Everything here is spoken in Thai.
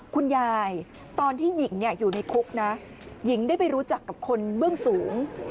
ตอนที่หญิงอยู่ในคุกนะหญิงได้ไปรู้จักกับคนเบื้องสูง